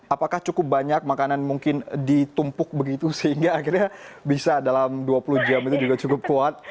apakah cukup banyak makanan mungkin ditumpuk begitu sehingga akhirnya bisa dalam dua puluh jam itu juga cukup kuat